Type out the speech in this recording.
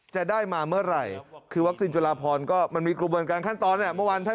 จะได้มาเมื่อไหร่ก็มีกรุงบรรคันขั้นตอนเนี่ยเมื่อวานท่าน